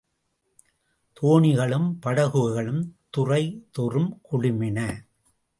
தோணிகளும் படகுகளும் துறை தொறும் குழுமின.